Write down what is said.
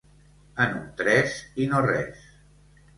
En un tres i no res.